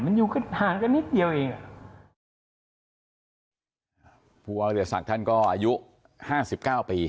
มันอยู่ขนาดนิดเดียวเองผู้ว่าเดือดศักดิ์ท่านก็อายุห้าสิบเก้าปี